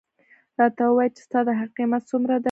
راته ووایه چې ستا د هغې قیمت څومره دی.